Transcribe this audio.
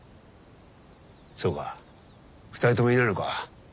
そうか２人ともいないのか。